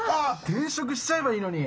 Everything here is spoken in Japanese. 転職しちゃえばいいのに。